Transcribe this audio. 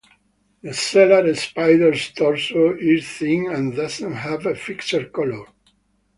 The cellar spiders torso is thin and doesn't have a fixed colour.